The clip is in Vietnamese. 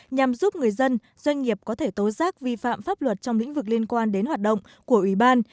nhằm giúp người dân doanh nghiệp có thể tố giác vi phạm pháp luật trong lĩnh vực liên quan đến hoạt động của ủy ban